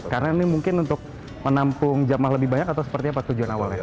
karena ini mungkin untuk menampung jaman lebih banyak atau seperti apa tujuan awalnya